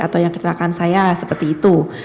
atau yang kecelakaan saya seperti itu